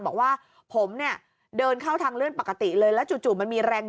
บอกว่าผมเนี่ยเดินเข้าทางเลื่อนปกติเลยแล้วจู่มันมีแรง